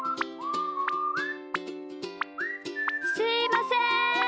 すいません。